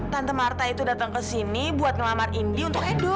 tante marta itu datang ke sini buat ngelamar indi untuk edu